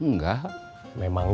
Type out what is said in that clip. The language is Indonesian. langsung mulai mikir